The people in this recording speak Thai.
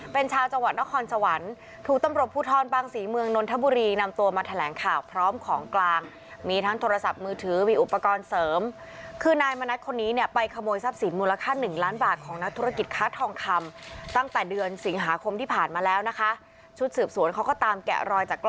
เป็นชาวจังหวัดนครสวรรค์ถูกตำรวจภูทรบางศรีเมืองนนทบุรีนำตัวมาแถลงข่าวพร้อมของกลางมีทั้งโทรศัพท์มือถือมีอุปกรณ์เสริมคือนายมณัฐคนนี้เนี่ยไปขโมยทรัพย์สินมูลค่าหนึ่งล้านบาทของนักธุรกิจค้าทองคำตั้งแต่เดือนสิงหาคมที่ผ่านมาแล้วนะคะชุดสืบสวนเขาก็ตามแกะรอยจากก